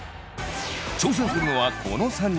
挑戦するのはこの３人。